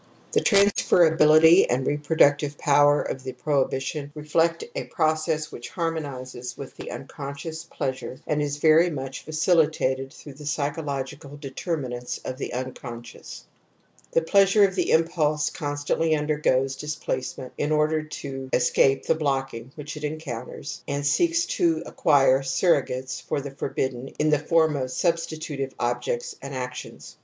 The transferability and reproductive power of the prohibition reflect a process which harmon izes with the unconscious pleasure and is very much facilitated through the psychological determinants of the unconscious. ( The pleasure of the impulse constantly undergoes displace ment in order to escape the blocking which it encoimters and seeks to acquire surrogates for the forbidden in the form of substitutive objects and actions.